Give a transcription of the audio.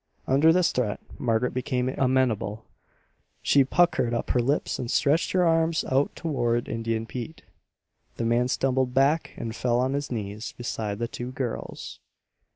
Under this threat Margaret became amenable. She puckered up her lips and stretched her arms out toward Indian Pete. The man stumbled back and fell on his knees beside the two girls.